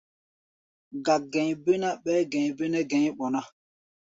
Gák-gɛ̧i̧ bé ná, ɓɛɛ́ gɛ̧i̧ bé nɛ́ gɛ̧i̧ ɓɔ ná.